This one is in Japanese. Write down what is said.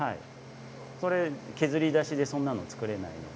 それ削り出しでそんなの作れないので。